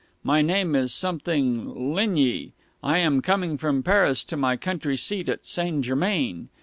My name is something LIGNY. I am coming from Paris to my country seat at St. Germain.